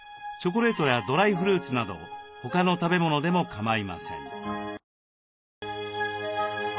チョコレートやドライフルーツなど他の食べ物でも構いません。